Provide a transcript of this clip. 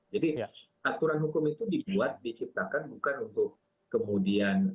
jadi aturan hukum itu dibuat diciptakan bukan untuk kemudian